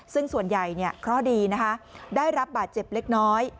ซึ่งส่วนใหญ่เคราะห์ดีนะคะได้รับบาดเจ็บเล็กน้อย